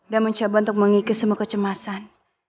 dan mencoba untuk mengikis semua kecemasan